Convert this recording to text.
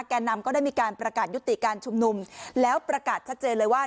แก่นำก็ได้มีการประกาศยุติการชุมนุมแล้วประกาศชัดเจนเลยว่า